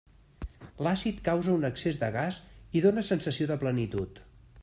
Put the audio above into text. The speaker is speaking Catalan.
L'àcid causa un excés de gas i dóna sensació de plenitud.